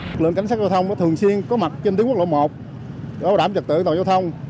lực lượng cảnh sát giao thông thường xuyên có mặt trên tiếng quốc lộ một